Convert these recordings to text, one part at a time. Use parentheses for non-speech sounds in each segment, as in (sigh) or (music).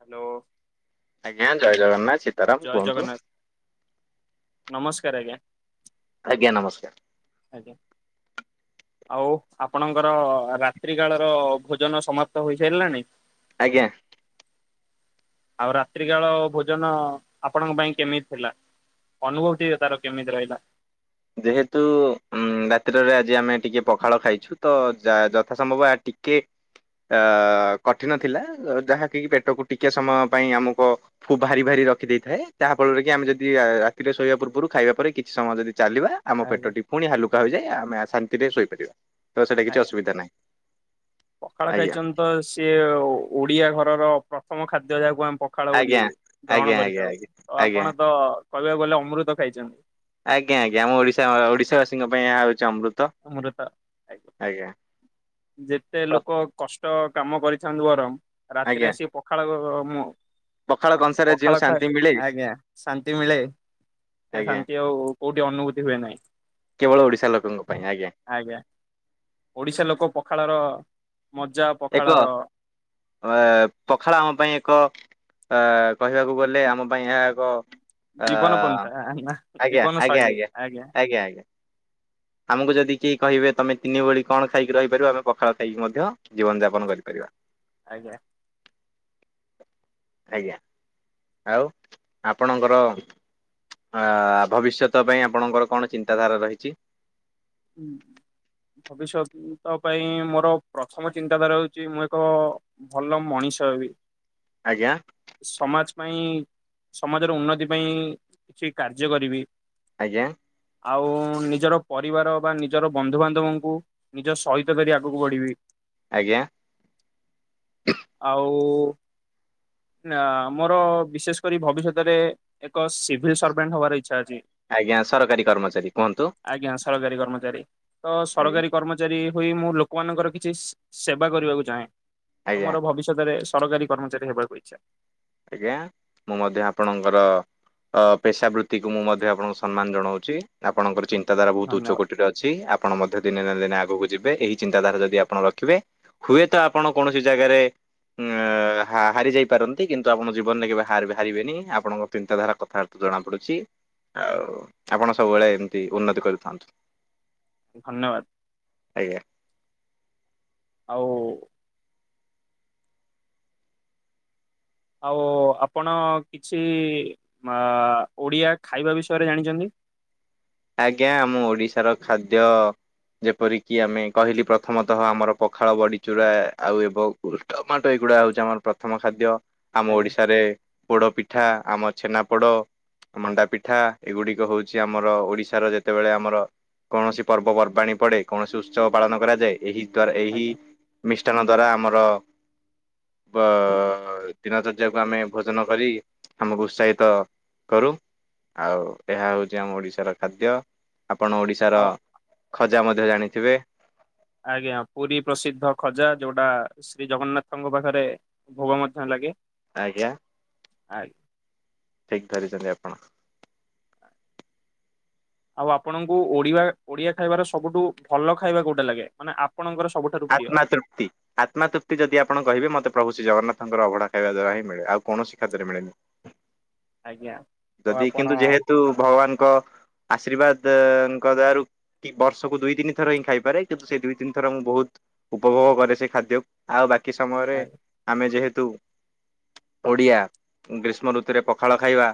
Hello. ଆଜ୍ଞା ଜୟ ଜଗନ୍ନାଥ ସୀତାରାମ ଜୟ କୁହନ୍ତୁ? ଜଗନ୍ନାଥ ନମସ୍କାର ଆଜ୍ଞା। ଆଜ୍ଞା ନମସ୍କାର। ଆଜ୍ଞା ଆଉ ଆପଣଙ୍କର ରାତ୍ରି କାଳର ଭୋଜନ ସମାପ୍ତ ହୋଇସାରିଲାଣି? ଆଜ୍ଞା। ଆଉ ରାତ୍ରି କାଳ ଭୋଜନ ଆପଣଙ୍କ ପାଇଁ କେମିତି ଥିଲା? ଅନୁଭବ ଟି ତାର କେମିତି ରହିଲା? ଯେହେତୁ ଉ ରାତ୍ରରେ ଆଜି ଆମେ ଟିକେ ପଖାଳ ଖାଇଛୁ ତ ଯ ଯଥା ସମ୍ଭବ ଟିକେ ଆ କଠିନ ଥିଲା ଯାହାକି ପେଟକୁ ଟିକେ ସମୟ ପାଇଁ ଆମକୁ କୁ ଭାରି ଭାରି ରଖିଦେଇଥାଏ ଯାହା ଫଳରେ କି ଆମେ ଯଦି ରାତିରେ ଶୋଇବା ପୂର୍ବରୁ ଖାଇବା ପରେ କିଛି ସମୟ ଯଦି ଚାଲିବା ଆମ ଆଜ୍ଞା ପେଟଟି ପୁଣି ହାଲୁକା ହୋଇଯାଏ ଆମେ ଶାନ୍ତିରେ ଶୋଇପାରିବା। ତ ସେଇଟା କିଛି ଆଜ୍ଞା ଅସୁବିଧା ନାହିଁ ପଖାଳ ଆଜ୍ଞା ଖାଇଛନ୍ତି? ତ ସିଏ ଓଡିଆ ଘରର ପ୍ରଥମ ଖାଦ୍ୟ ଯାହାକୁ ଆମେ ପଖାଳ ବୋଲି ଆଜ୍ଞା ଆଜ୍ଞା ଗ୍ରହଣ ଆଜ୍ଞା କରିଥାଉ ଆଜ୍ଞା। ତ ଆଜ୍ଞା ଆପଣ ତ କହିବାକୁ ଗଲେ ଅମୃତ ଖାଇଛନ୍ତି। ଆଜ୍ଞା ଆଜ୍ଞା ଆମ ଓଡ଼ିଶା ଓଡିଶାବାସୀ ପାଇଁ ଏହା ହଉଛି ଅମୃତ। ଅମୃତ ଆଜ୍ଞା ଯେତେ ପ୍ର- ଲୋକ କଷ୍ଟ କାମ କରିଥାନ୍ତୁ ବରଂ ରାତିରେ ଆଜ୍ଞା। ଆସିକି ପଖାଳ ମୁ ପଖାଳ କଂସାରେ ଯେଉଁ ପଖାଳ ଖା ଶାନ୍ତି ମିଳେ ଆଜ୍ଞା ଶାନ୍ତି ମିଳେ ସେ ଆଜ୍ଞା ଶାନ୍ତି ଆଉ କୋଉଠି ଅନୁଭୂତି ହୁଏ ନାହିଁ। କେବଳ ଓଡ଼ିଶା ଲୋକଙ୍କ ପାଇଁ ଆଜ୍ଞା। ଆଜ୍ଞା ଓଡିଶା ଲୋକ ପଖାଳର ମଜା ଏକ ପଖାଳର ଅ ପଖାଳ ଆମ ପାଇଁ ଏକ ଅ କହିବାକୁ ଗଲେ ଆମ ପାଇଁ ଏହା ଏକ ଅ ଜୀବନ ପନ୍ଥା ନା ଆଜ୍ଞା ଜୀବନ ଆଜ୍ଞା ଶୈଳୀ ଆଜ୍ଞା ଆଜ୍ଞା। ଆମକୁ ଯଦି କେହି କହିବେ ତମେ ତିନି ଓଳି କଣ ଖାଇକି ରହିପାରିବ ଆମେ ପଖାଳ ଖାଇକି ମଧ୍ୟ ଜୀବନ ଯାପନ କରିପାରିବା। ଆଜ୍ଞା। ଆଜ୍ଞା ଆଉ ଆପଣଙ୍କର ଅ ଭବିଷ୍ୟତ ପାଇଁ ଆପଣଙ୍କର କଣ ଚିନ୍ତାଧାରା ରହିଛି? ହୁଁ। ଭବିଷ୍ୟତ ପାଇଁ ମୋର ପ୍ରଥମ ଚିନ୍ତାଧାରା ହଉଛି ମୁଁ ଏକ ଭଲ ମଣିଷ ହେବି। ଆଜ୍ଞା? ସମାଜ ପାଇଁ ସମାଜର ଉନ୍ନତି ପାଇଁ କିଛି କାର୍ଯ୍ୟ କରିବି। ଆଜ୍ଞା। ଆଉ ନିଜର ପରିବାର ବା ନିଜର ବନ୍ଧୁବାନ୍ଧବଙ୍କୁ ନିଜ ସହିତ କରି ଆଗକୁ ବଢିବି। ଆଜ୍ଞା ଆଉ ନା ମୋର ବିଶେଷ କରି ଭବିଷ୍ୟତରେ ଏକ ସିଭିଲ୍ ସର୍ଭେଣ୍ଟ ହବାର ଇଚ୍ଛା ଅଛି। ଆଜ୍ଞା ସରକାରୀ କର୍ମଚାରୀ କୁହନ୍ତୁ? ହେବି ତ ଆଜ୍ଞା ସରକାରୀ କର୍ମଚାରୀ ହୋଇ ମୁଁ ଲୋକମାନଙ୍କର କିଛି ଶ୍ ସେବା କରିବାକୁ ଚାହେଁ। ତ ଆଜ୍ଞା। ମୋର ଭବିଷ୍ୟତରେ ସରକାରୀ କର୍ମଚାରୀ ହେବାକୁ ଇଚ୍ଛା। ଆଜ୍ଞା ମୁଁ ମଧ୍ୟ ଆପଣଙ୍କର ଅ ପେସାବୃତ୍ତିକୁ ମୁଁ ମଧ୍ୟ ଆପଣଙ୍କୁ ସମ୍ମାନ ଜଣଉଚି। ଆପଣଙ୍କର ଚିନ୍ତାଧାରା ବହୁତ ଉଚ୍ଚ ଧନ୍ୟବାଦ କୋଟିରେ ଅଛି। ଆ ପଣ ମଧ୍ୟ ଦିନେ ନା ଦିନେ ଆଗକୁ ଯିବେ ଏହି ଚିନ୍ତାଧାରା ଯଦି ଆପଣ ରଖିବେ। ହୁଏତ ଆପଣ କୌଣସି ଜାଗାରେ ଉ ହା ହାରି ଯାଇପାର ନ୍ତି କିନ୍ତୁ ଆପଣ ଜୀବନରେ କେବେ ହାର୍ ବେ ହାରିବେନି ଆପଣଙ୍କ ଚିନ୍ତାଧାରା କଥାବାର୍ତା ରୁ ଜଣା ପଡୁଚି। ଆଉ ଆପଣ ସବୁବେଳେ ଏମିତି ଉନ୍ନତି କରୁଥାନ୍ତୁ। ଧନ୍ୟବାଦ। ଆଜ୍ଞା। ଆଉ ଆଉ ଆପଣ କିଛି ବା ଓଡିଆ ଖାଇବା ବିଷୟରେ ଜାଣିଚନ୍ତି? ଆଜ୍ଞା ମୁଁ ଓଡିଶାର ଖାଦ୍ୟ ଯେପରିକି ଆମେ କହିଲି ପ୍ରଥମତଃ ଆମର ପଖାଳ ବଡିଚୂରା ଆଉ ଏବଂ ଟମାଟୋ ଏଗୁଡା ହଉଚି ଆମର ପ୍ରଥମ ଖାଦ୍ୟ ଆମ ଆଜ୍ଞା ଓଡିଶାରେ ପୋଡ ପିଠା ଆମ ଛେନାପୋଡ, ମଣ୍ଡା ପିଠା ଏଗୁଡିକ ହଉଛି ଆମର ଓଡି ଶାର ଯେତେବେଳେ ଆମର କୌଣସି ପର୍ବପର୍ବାଣୀ ପଡେ କୌଣସି ଉତ୍ସବ ପାଳନ କରାଯାଏ ଏହି ତାର ଏହି ଆଜ୍ଞା ମିଷ୍ଟାନ ଦ୍ଵାରା ଆମର ବ ଦିନଚର୍ଯ୍ୟାକୁ ଆମେ ଭୋଜନ କରି ଆମକୁ ଉତ୍ସାହିତ କରୁ। ଆଉ ଏହା ହଉଚି ଆମ ଓଡିଶାର ଖାଦ୍ୟ। ଆପଣ ଓଡିଶାର ଆଉ ଖଜା ମଧ୍ୟ ଜାଣିଥିବେ? ଆଜ୍ଞା ପୁରୀ ପ୍ରସିଦ୍ଧ ଖଜା ଯୋଉଟା ଶ୍ରୀ ଜଗନ୍ନାଥଙ୍କ ପାଖରେ ଭୋଗ ମଧ୍ୟ ଲାଗେ। ଆଜ୍ଞା। ଆ ଠିକ୍ ଧରିଚନ୍ତି ଆପଣ। ଆଉ ଆପଣଙ୍କୁ ଓଡିବା ଓଡିଆ ଖାଇବାର ସବୁଠୁ ଭଲ ଖାଇବା କୋଉଟା ଲାଗେ ମାନେ ଆ ପଣଙ୍କର ସବୁଠାରୁ ପ୍ରିୟ? ଆତ୍ମା ତୃ ପ୍ତି ଆତ୍ମାତୃପ୍ତି ଯଦି ଆପଣ କହିବେ ମତେ ପ୍ରଭୁ ଶ୍ରୀ ଜଗନ୍ନାଥଙ୍କର ଅଭଡା ଖାଇବା ଦ୍ୱାରା ହିଁ ମିଳେ ଆଉ କୌଣସି ଖାଦ୍ୟରେ ମିଳେନି। ଆଜ୍ଞା। ତ ଯଦି ଆପଣ କିନ୍ତୁ ଯେହେତୁ ଭଗବାନଙ୍କ ଆଶୀର୍ବାଦଙ୍କ ଦୟାରୁ କି ବର୍ଷ କୁ ଦୁଇ ତିନି ଥର ହିଁ ଖାଇପାରେ କିନ୍ତୁ ସେଇ ଦୁଇ ତିନିଥର ମୁଁ ବହୁତ ଉପଭୋଗ କରେ ସେ ଖାଦ୍ୟକୁ ଆଉ ବାକି ସମୟରେ ଆ ଆମେ ଯେହେତୁ ଓଡିଆ ଗ୍ରୀଷ୍ମ ଋତୁରେ ପଖାଳ ଖାଇବା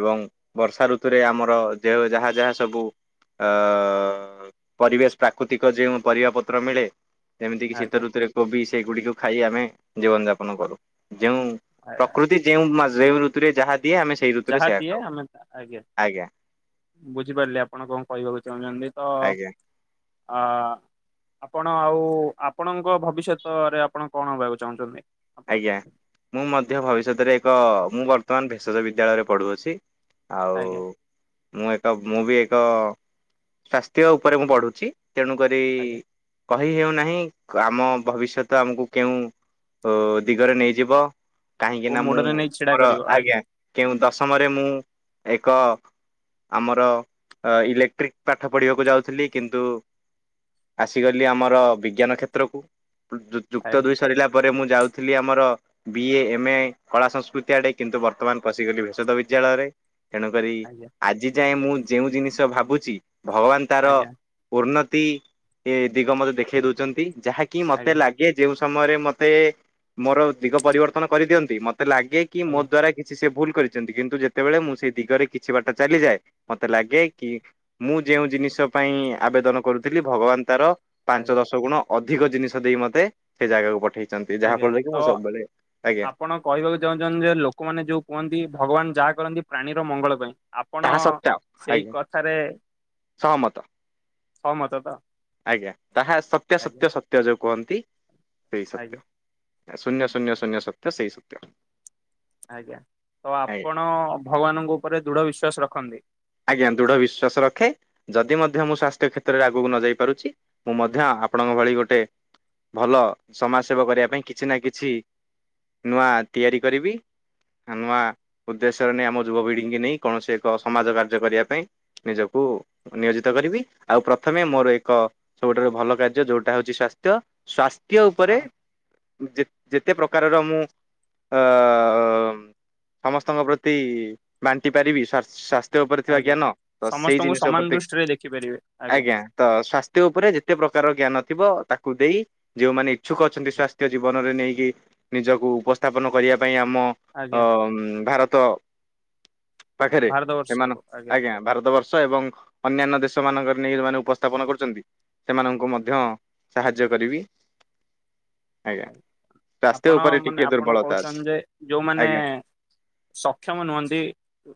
ଏବଂ ବର୍ଷା ଋତୁରେ ଆମର ଯେ ଯାହା ଯାହା ସବୁ ଅ ପରିବେଶ ପ୍ରାକୃତିକ ଯେଉଁ ପରିବା ପତ୍ର ମିଳେ ଯେମିତିକି ଶୀତ ଆଜ୍ଞା ଋତୁରେ କୋବି ସେଗୁଡିକୁ ଖାଇ ଆମେ ଜୀବନ ଯାପନ କରୁ। ଯେଉଁ ଆଜ୍ଞା ପ୍ରକୃତି ଯେଉଁ ମା ଯେଉଁ ଋତୁରେ ଯାହା ଦିଏ ଆମେ ସେଇ ଋତୁରେ ଯାହା ସେଇଆ ଦିଏ ଖାଉ ଆଜ୍ଞା। ବୁଝିପାରଲେ ଆପଣ କଁ କହିବାକୁ ଚାହୁଁଚନ୍ତି? ଆଜ୍ଞା। ଅ ଆପଣ ଆଉ ଆପଣଙ୍କ ଭବିଷ୍ୟତରେ ଆପଣ କଣ ହବାକୁ ଚାହୁଁଛନ୍ତି? ଆପଣ ଆଜ୍ଞା ମୁଁ ମଧ୍ୟ ଭବିଷ୍ୟତରେ ଏକ ମୁଁ ବର୍ତ୍ତମାନ ଭେଷଜ ବିଦ୍ୟାଳୟରେ ପଢୁଅଛି। ଆଉ ଆଜ୍ଞା ମୁଁ ଏକ ମୁଁ ବି ଏକ ସ୍ୱସ୍ଥ୍ୟ ଉପରେ ମୁଁ ପଢ଼ୁଛି। ତେଣୁ କରି ଆଜ୍ଞା କହି ହେଉନାହିଁ କ ଆମ ଭବିଷ୍ୟତ ଆମୁକୁ କେଉଁ ଉ ଦିଗରେ ନେଇଯିବ କାହିଁକି କୋଉ ନା ମୁଁ ମୋଡରେ ନେଇ ଛିଡା ମୋର କରିବ ଆଜ୍ଞା। କେଉଁ ଦଶମରେ ମୁଁ ଏକ ଆମର ଇଲେକ୍ଟ୍ରିକ୍ ପାଠ ପଢିବାକୁ ଯାଉଥୁଲି କିନ୍ତୁ ଆସିଗଲି ଆମର ବିଜ୍ଞାନ କ୍ଷେତ୍ରକୁ ଯୁ ଯୁକ୍ତ ଆଜ୍ଞା ଦୁଇ ସରିଲା ପରେ ମୁଁ ଯାଉଥିଲି ଆମର ବି ଏ ଏମ ଏ କଳା ସଂସ୍କୃତି ଆଡେ କିନ୍ତୁ ବର୍ତ୍ତମାନ ପଶିଗଲି ଭେଷଦ ବିଦ୍ୟାଳୟରେ। ତେଣୁ କରି ଆଜ୍ଞା ଆଜି ଯାଏଁ ମୁଁ ଯେଉଁ ଜିନିଷ ଭାବୁଚି ଭଗବାନ ତାର ଆଜ୍ଞା ଉନ୍ନତି ଏ ଦିଗ ମୋତେ ଦେଖେଇ ଦୋଉଚନ୍ତି ଯାହାକି ମତେ ଆଜ୍ଞା ଲାଗେ ଯେଉଁ ସମୟରେ ମ ତେ ମୋର ଦିଗ ପରିବର୍ତ୍ତନ କରିଦିଅନ୍ତି ମତେ ଲାଗେ କି ମୋ ଆଜ୍ଞା ଦ୍ଵାରା କି ଛି ସେ ଭୁଲ କରିଚନ୍ତି କିନ୍ତୁ ଯେତେବେଳେ ମୁଁ ସେଇ ଦିଗରେ କିଛି ବାଟ ଚାଲିଯାଏ ମତେ ଲାଗେ କି ମୁଁ ଯେଉଁ ଜିନିଷ ପାଇଁ ଆବେଦନ କରୁଥିଲି ଭଗବାନ ତାର ଆଜ୍ଞା ପାଞ୍ଚ ଦଶ ଗୁଣ ଅଧିକ ଜିନିଷ ଦେଇ ମତେ ସେ ଜାଗାକୁ ପଠେଇ ଚନ୍ତି ଯାହା ଆଜ୍ଞା ଫଳରେ କି ତ ମୁଁ ସବୁବେଳେ ଆଜ୍ଞା। ଆପଣ କହିବାକୁ ଚାହୁଁଚନ୍ତି ଯେ ଲୋକମାନେ ଯୋଉ କୁହନ୍ତି ଭଗବାନ ଯାହା କରନ୍ତି ପ୍ରାଣୀର ମଙ୍ଗଳ ପାଇଁ। ଆପଣ ତାହା ସତ୍ୟ ସେଇ ଆଜ୍ଞା କଥାରେ ସହମତ। ସହମତ ତ? ଆଜ୍ଞା ତାହା ସତ୍ୟ ଆଜ୍ଞା ସତ୍ୟ ସତ୍ୟ ଯୋଉ କୁହନ୍ତି ସେଇ ଆଜ୍ଞା ସତ୍ୟ। ଏ ଶୂନ୍ୟ ଶୂନ୍ୟ ଶୂନ୍ୟ ସତ୍ୟ ସେଇ ସତ୍ୟ। ଆଜ୍ଞା ତ ଆଜ୍ଞା ଆପଣ ଭଗବାନଙ୍କ ଉପରେ ଦୃଢ ବିଶ୍ଵାସ ରଖନ୍ତି? ଆଜ୍ଞା ଦୃଢ ବିଶ୍ଵାସ ରଖେ। ଯଦି ମଧ୍ୟ ମୁଁ ସ୍ଵାସ୍ଥ୍ୟ କ୍ଷେତ୍ରରେ ଆଗୁକୁ ନ ଯାଇ ପାରୁଚି ମୁଁ ମଧ୍ୟ ଆପଣଙ୍କ ଭଳି ଗୋଟେ ଭଲ ସମାଜ ସେବା କରିବା ପାଇଁ କିଛି ନା କିଛି ନୂଆ ତିଆରି କରିବି। ନୂଆ ଉଦ୍ଦେଶ୍ୟରେ ନେଇ ଆମ ଯୁବ ପିଢି଼ଙ୍କି ନେଇ କୌଣସି ଏକ ସମାଜ କାର୍ଯ୍ୟ କରିବା ପାଇଁ। ନିଜକୁ ନିୟୋଜିତ କରିବି ଆଉ ପ୍ରଥମେ ମୋର ଏକ ସବୁଠାରୁ ଭଲ କାର୍ଯ୍ୟ ଯୋଉଟା ହଉଚି ସ୍ବା ତ୍ୟ ସ୍ବାସ୍ଥ୍ୟ ଉପରେ ହଁ ଯେ ଯେତେ ପ୍ରକାରର ମୁଁ ଅ ସମସ୍ତଙ୍କ ପ୍ରତି ବାଣ୍ଟି ପାରିବି ସ୍ବା ସ୍ବା ତ୍ୟ ଓପରେ ଥିବା ଆଜ୍ଞା। ଜ୍ଞାନ ତ ସେଇ ସମସ୍ତଙ୍କୁ ଜିନିଷ ସମାନ ଓପରେ ଟି ଦୃଷ୍ଟିରେ ଦେଖିପାରିବେ ଆଜ୍ଞା। ତ ସ୍ଵାସ୍ଥ୍ୟ ଓପରେ ଯେତେ ପ୍ରକାରର ଜ୍ଞାନ ଥିବ ତାକୁ ଦେଇ ଯୋଉମାନେ ଇଛୁକ ଅଛନ୍ତି ସ୍ୱାସ୍ଥ୍ୟ ଜୀବନରେ ନେଇକି ନିଜକୁ ଉପସ୍ଥାପନ କରିବା ପାଇଁ ଆମ ଆଜ୍ଞା ଅମ୍ ଭାରତ ଭାରତବର୍ଷ ମାନ ଆଜ୍ଞା ଭାରତ ବର୍ଷ ଏବଂ ଅନ୍ୟାନ୍ୟ ଦେଶ ମାନଙ୍କରେ ନେଇ ଯୋଉମାନେ ଉପସ୍ଥାପନା କରୁଚନ୍ତି। ସେମାନଙ୍କୁ ମଧ୍ୟ ସାହାଯ୍ୟ କରିବି। ଆଜ୍ଞା। ସ୍ୱାସ୍ଥ୍ୟ ଆପଣ ଉପରେ ଟିକେ ମାନେ ଆପଣ ଦୁର୍ବଳତା ଅଛି କହୁଛନ୍ତି ଯେ ଯୋଉମାନେ ଆଜ୍ଞା ସକ୍ଷମ ନୁହନ୍ତି।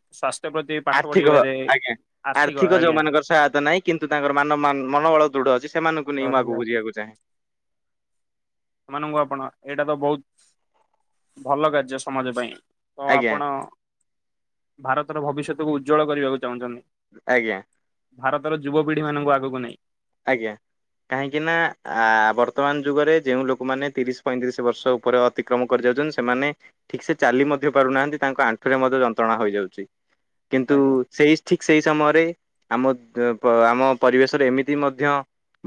ସ୍ୱାସ୍ଥ୍ୟ ପ୍ରତି ପାଠ ଆର୍ଥିକ ପଢିବାରେ ଆଜ୍ଞା। ଆର୍ଥିକ ଯୋଉମାନଙ୍କର ସହାୟତା ନାହିଁ କିନ୍ତୁ ତାଙ୍କର ମାନ ମନୋବଳ ଦୃଢ ଅଛି ସେମାନଙ୍କୁ ନେଇ ମୁଁ ଆଗକୁ ବୁଝିବାକୁ ଚାହେଁ। ସେମାନଙ୍କୁ ଆପଣ ଏଇଟା ତ ବହୁତ ଭଲ କାର୍ଯ୍ୟ ସମାଜ ପାଇଁ। ତ ଆଜ୍ଞା ଆପଣ ଭାରତର ଭବିଷ୍ୟତକୁ ଉଜ୍ଜ୍ୱଳ କରିବାକୁ ଚାହୁଁଛନ୍ତି। ଆଜ୍ଞା। ଭାରତର ଯୁବପିଢ଼ି ମାନଙ୍କୁ ଆଗକୁ ନେଇଁ। ଆଜ୍ଞା। କାହିଁକି ନା ଆ ବର୍ତ୍ତମାନ ଯୁଗରେ ଯେଉଁ ଲୋକମାନେ ତିରିଶ ପଇଁତିରିଶ ବର୍ଷ ଉପରେ ଅ ଅତିକ୍ରମ କରିଯାଉଚନ୍ତି ସେମାନେ ଠିକ ସେ ଚାଲି ମଧ୍ୟ ପାରୁନାହାନ୍ତି ତାଙ୍କ ଆଣ୍ଠୁରେ ମଧ୍ୟ ଯନ୍ତ୍ରଣା ହୋଇଯାଉଛି। କିନ୍ତୁ ଆଜ୍ଞା ସେଇ ଠିକ୍ ସେଇ ସମୟରେ ଆମ ଆମ ପରିବେଶରେ ଏମିତି ମଧ୍ୟ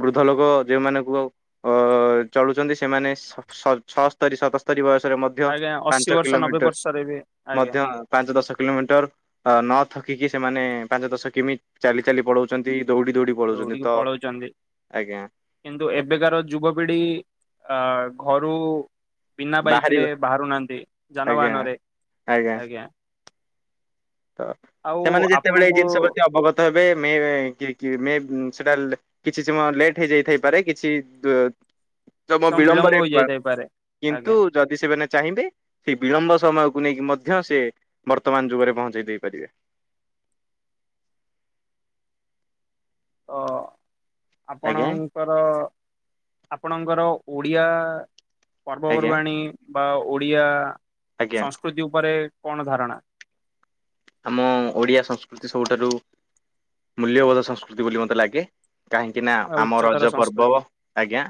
ବୃଦ୍ଧ ଲୋକ ଯୋଉମାନଙ୍କୁ ଆଉ ଅ ଚଳୁଛନ୍ତି ସେମାନେ ଶଶ ଛଅସ୍ତରୀ ସତସ୍ତରୀ ବୟସରେ ମଧ୍ୟ ଆଜ୍ଞା ମଧ୍ୟ ଅଶୀ ପାଞ୍ଚ ବର୍ଷ ନବେ କିଲୋମିଟର ବର୍ଷରେ ବି ଆଜ୍ଞା ମଧ୍ୟ ପାଞ୍ଚ ଦଶ କିଲୋମିଟର। ଅ ନଥକିକି ସେମାନେ ପାଞ୍ଚ ଦଶ କିମି ଚାଲି ଚାଲି ପଳଉଛନ୍ତି ଦୌଡି ଦୌଡି ପଳଉଛନ୍ତି ତ ଦୌଡିକି ପଳଉଛନ୍ତି ଆଜ୍ଞା କିନ୍ତୁ ତ ଏବେକାର ଯୁବପିଢି ଅ ଘରୁ ବିନା ବାଇକ ରେ ବାହାରିବ ବାହାରୁନାହାନ୍ତି ଆଜ୍ଞା ଯାନବାହାନ ରେ ଆଜ୍ଞା ତ ଆଉ ସେମାନେ ଯେତେବେଳେ ଏଇ ଆପଣଙ୍କୁ ଜିନିଷ ପ୍ରତି ଅବଗତ ହେବେ ମେ କି କି ମେ ସେଟା କିଛି ସମୟ ଲେଟ୍ ହେଇଯାଇଥାଇପାରେ କିଛି ତମ ସମୟ ବିଳମ୍ବ ବିଳମ୍ବରେ ପା ହୋଇଯାଇଥାଇପାରେ କିନ୍ତୁ ଆଜ୍ଞା ଯଦି ସେମାନେ ଚାହିଁବେ ସେ ବିଳମ୍ବ ସମୟକୁ ନେଇକି ମଧ୍ୟ ସେ ବର୍ତ୍ତମାନ ଯୁଗରେ ପହଞ୍ଚେଇ ଦେଇପାରିବେ ତ ଆପଣ ଆଜ୍ଞା ଙ୍କର ଆପଣଙ୍କର ଓଡ଼ିଆ ଆଜ୍ଞା ପର୍ବପର୍ବାଣୀ ବା ଓଡ଼ିଆ ଆଜ୍ଞା ସଂସ୍କୃତି ଉପରେ କଣ ଧାରଣା ଆମ ଓଡିଆ ସଂସ୍କୃତି ସବୁଠାରୁ ମୂଲ୍ୟବୋଧ ସଂସ୍କୃତି ବୋଲି ମତେ ଲାଗେ କାହିଁକି ନା ଆଉ ଆମ ଉଚ୍ଚତର ରଜ ପର୍ବ ସଂସ୍କୃତି ଆଜ୍ଞା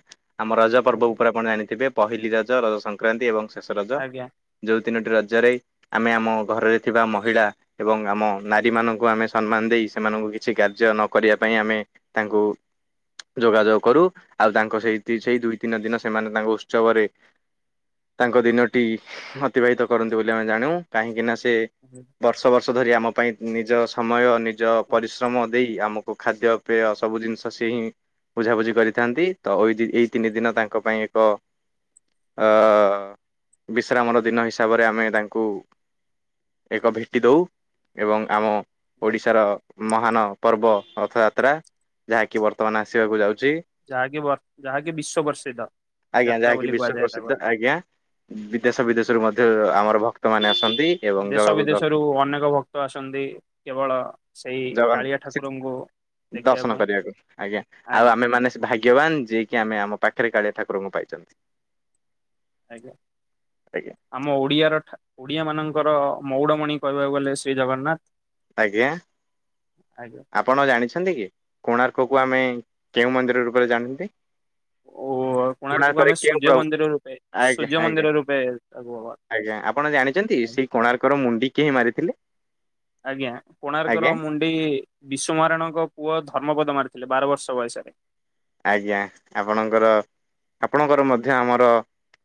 ଆମ ରଜ ପର୍ବ ଆଜ୍ଞା ଉପରେ ଆପଣ ଜାଣିଥିବେ ପହିଲି ରଜ ରଜ ସଂକ୍ରାନ୍ତି ଏବଂ ଶେଷ ରଜ ଆଜ୍ଞା। ଯୋଉ ତିନୋଟି ରଜରେ ଆମେ ଆମ ଘରରେ ଥିବା ମହିଳା ଏବଂ ଆମ ନାରୀମାନଙ୍କୁ ଆମେ ସମ୍ମାନ ଦେଇ ସେମାନଙ୍କୁ କିଛି କାର୍ଯ୍ୟ ନ କରିବା ପାଇଁ ଆମେ ତାଙ୍କୁ ଯୋଗାଯୋଗ କରୁ ଆଉ ତାଙ୍କ ସେଇ ସେଇ ଦୁଇ ତିନି ଦିନ ସେମାନେ ତାଙ୍କ ଉତ୍ସବରେ ତାଙ୍କ ଦିନଟି ଅତିବାହିତ କରନ୍ତି ବୋଲି ଆମେ ଜାଣୁ କାହିଁକିନା ସେ (unintelligible) ବର୍ଷ ବର୍ଷ ଧରି ଆମ ପାଇଁ ନିଜ ସମୟ ନିଜ ପରିଶ୍ରମ ଦେଇ ଆମକୁ ଖାଦ୍ୟପେୟ ସବୁ ଜିନିଷ ସିଏ ହିଁ ବୁଝାବୁଝି କରିଥାନ୍ତି ତଇ ଏଇ ତିନି ଦିନ ତାଙ୍କ ପାଇଁ ଏକ ଅ ବିଶ୍ରାମର ଦିନ ହିସାବରେ ଆମେ ତାଙ୍କୁ ଏକ ଭେଟି ଦେଉ ଏବଂ ଆମ ଆଜ୍ଞା। ଓଡ଼ିଶାର ମହାନ ପର୍ବ ରଥଯାତ୍ରା ଯାହାକି ବର୍ତ୍ତମାନ ଆସିବାକୁ ଯାଉଛି ଯାହାକି ବ ଯାହାକି ବିଶ୍ଵ ପ୍ରଷିଧ ଆଜ୍ଞା ଯାତ୍ରା ଯାହାକି ବୋଲି ବିଶ୍ଵ କୁହାଯାଏ ପ୍ରସିଦ୍ଧ ତାଙ୍କର ଆଜ୍ଞା? ବିଦେଶ ବିଦେଶରୁୁ ମଧ୍ୟ ଆମର ଭକ୍ତମାନେ ଆସନ୍ତି ଏବଂ ଜଗାକୁ (unintelligible) ଅନେକ ଭକ୍ତ ଆସନ୍ତି କେବଳ ସେହି ଜଗନ୍ କାଳିଆ ଠାକୁରଙ୍କୁ ଦେଖିବା ଦର୍ଶନ ପାଇଁ କରିବାକୁ ଆଜ୍ଞା ଆଉ ଆଜ୍ଞା ଆମେ ମାନେ ସେ ଭାଗ୍‌ ଭାଗ୍ୟବାନ୍‌ ଯେ କି ଆମେ ଆମ ପାଖେରେ କାଳିଆ ଠାକୁରଙ୍କୁ ପାଇଛନ୍ତି। ଆଜ୍ଞା। ଆଜ୍ଞା ଆମ ଓଡିଆର ଠା ଓଡିଆ ମାନଙ୍କର ମଉଡମଣି କହିବାକୁ ଗଲେ ଶ୍ରୀ ଜଗନ୍ନାଥ। ଆଜ୍ଞା? ଆଜ୍ଞା। ଆପଣ ଜାଣିଛନ୍ତି କି କୋଣାର୍କକୁ ଆମେ କେଉଁ ମନ୍ଦିର ରୂପରେ ଜାଣନ୍ତି? ଓ କୋଣାର୍କ କୁ କୋଣାର୍କରେ ଆମେ କେଉଁ ସୂର୍ଯ୍ୟ ପ୍ରଭୁ ମନ୍ଦିର ରୂପେ ଆଜ୍ଞା ସୂର୍ଯ୍ୟ ଆଜ୍ଞା ମନ୍ଦିର ରୂପେ ତାକୁ (unintelligible) ଆଜ୍ଞା। ଆପଣ ଜାଣିଛନ୍ତି ସେହି କୋଣାର୍କର ମୁଣ୍ଡି (unintelligible) ମାରିଥିଲେ? ଆଜ୍ଞା କୋଣାର୍କର ଆଜ୍ଞା ମୁଣ୍ଡ୍‌ (unintelligible) ବିଶ୍ୱ ମହାରଣା ଙ୍କ ପୁଅ ଧର୍ମପଦ ମାରିଥିଲେ ବାର ବର୍ଷ ବୟସରେ। ଆଜ୍ଞା। ଆପଣଙ୍କର ଆପଣଙ୍କର ମଧ୍ୟ ଆମର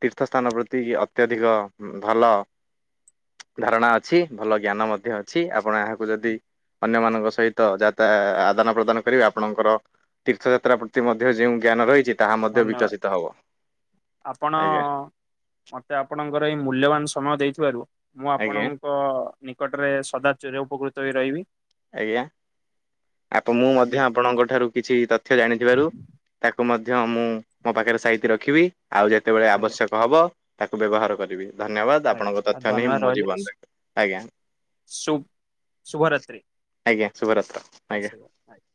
ତୀର୍ଥ ସ୍ଥାନ ପ୍ରତି ଅତ୍ୟଧିକ ଭଲ ଧାରଣା ଅଛି ଭଲ ଜ୍ଞାନ ମଧ୍ୟ ଅଛି ଆପଣ ଏହାକୁ ଯଦି ଅନ୍ୟ ମାନଙ୍କ ସହି ଯା ତା ଆଦାନ ପ୍ରଦାନ କରି ଆପଣଙ୍କର ତୀର୍ଥଯାତ୍ରା ପ୍ରତି ମଧ୍ୟ ଯୋଉ ଜ୍ଞାନ ରହିଛି ତାହା ମଧ୍ୟ ଧନ୍ୟବାଦ ବିକଶିତ ହବ। ଆପଣ ଆଜ୍ଞା। ମତେ ଆପଣଙ୍କର ଏହି ମୂଲ୍ୟବାନ ସମୟ ଦେଇଥିବାରୁ ମୁଁ ଆଜ୍ଞା ଆପଣଙ୍କ୍‌ ଙ୍କ ନିକଟରେ ସଦା ଚିର ଉପକୃତ ହୋଇ ରହିବି। ଆଜ୍ଞା, ଆପ ମୁଁ ମଧ୍ୟ ଆଜ୍ଞା ଆପଣଙ୍କ ଠାରୁ କିଛି ତଥ୍ୟ ଜାଣିଥିବାରୁ ତାକୁ ମଧ୍ୟ ମୁଁ ମୋ ପାଖରେ ସାଇତି ରଖିବି ଆଉ ଯେତେବେଳେ ଆଜ୍ଞା ଆବଶ୍ୟକ ହବ ତାକୁ ବ୍ୟବହାର କରିବି। ଧନ୍ୟବାଦ ଆପଣଙ୍କ ଆଜ୍ଞା ତଥ୍ୟ ନେଇ ମୁଁ ମୋ ଜୀବନରେ ଆଜ୍ଞା। ଶୁଭ୍‌ ଶୁଭରାତ୍ରି। ଆଜ୍ଞା ଶୁଭରାତ୍ର। ଆଜ୍ଞା (unintelligible)